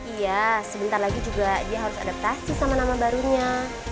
iya sebentar lagi juga dia harus adaptasi sama nama barunya